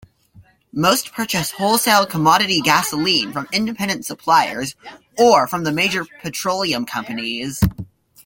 Most purchase wholesale commodity gasoline from independent suppliers or from the major petroleum companies.